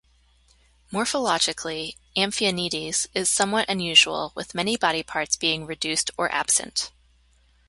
Morphologically, "Amphionides" is somewhat unusual, with many body parts being reduced or absent.